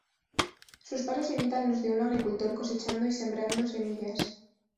Sus pasos imitan los de un agricultor cosechando y sembrando semillas.